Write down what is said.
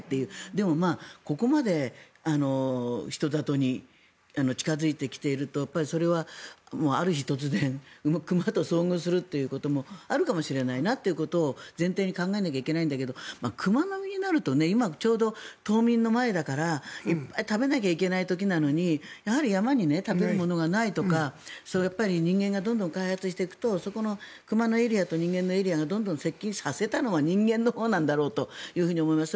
でも、ここまで人里に近付いてきているとそれはある日突然熊と遭遇するということもあるかもしれないなということを前提に考えなきゃいけないんだけど熊の身になると今ちょうど冬眠の前だからいっぱい食べなきゃいけない時なのに山に食べ物がないとか人間がどんどん開発していくと熊のエリアと人間のエリアをどんどん接近させたのは人間のほうなんだろうと思います。